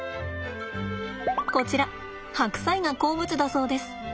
こちら白菜が好物だそうです。